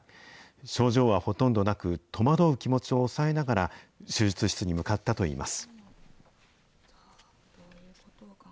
症状はほとんどなく、戸惑う気持ちを抑えながら、手術室に向かったといいます。